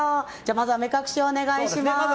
まずは目隠しをお願いします。